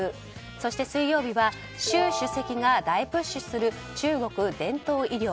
そして水曜日は習主席が大プッシュする中国伝統医療。